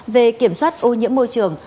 về kiểm soát ô nhiễm môi trường